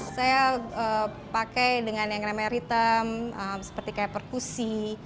saya pakai dengan yang krim air hitam seperti perkusi